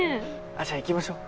じゃあ行きましょう。